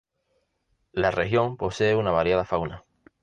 La región posee una variada fauna.